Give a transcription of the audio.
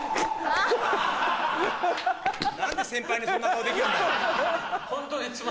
何で先輩にそんな顔できるんだよ？